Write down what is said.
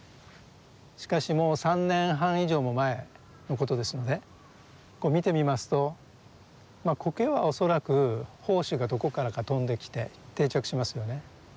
しかしもう３年半以上も前のことですので見てみますとまあコケは恐らく胞子がどこからか飛んできて定着しますよね。